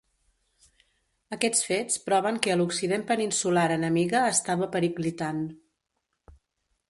Aquests fets proven que a l’occident peninsular enemiga estava periclitant.